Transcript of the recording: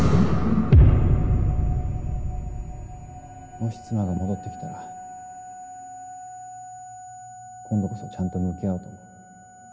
もし妻が戻ってきたら今度こそちゃんと向き合おうと思う。